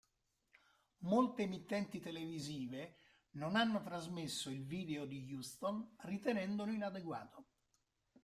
Molte emittenti televisive non hanno trasmesso il video di Houston, ritenendolo inadeguato.